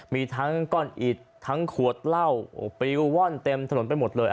มีทั้งก้อนอิดทั้งขวดเหล้าปิวว่อนเต็มถนนไปหมดเลย